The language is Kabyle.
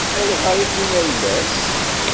Ayɣer i wwin ayla-s?